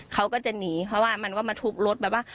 เขาก็จะหนีเพราะว่ามันก็มาทุบรถแบบว่า